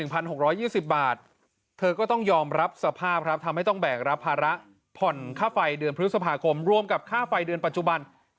ปกติเราต้องจ่ายเดือนเท่าไหร่เข้าใจ